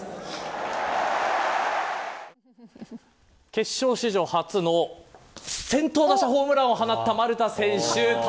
決勝史上初の先頭打者ホームランを放った丸田選手。